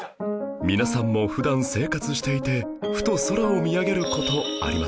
皆さんも普段生活していてふと空を見上げる事ありますよね？